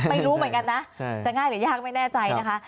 ไม่รู้เหมือนกันนะจะง่ายหรือยากไม่แน่ใจนะคะ